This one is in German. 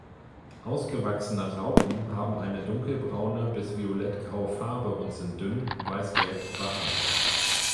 Ausgewachsene Raupen haben eine dunkelbraune bis violett graue Farbe und sind dünn weißgelb behaart.